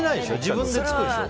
自分で作るでしょ？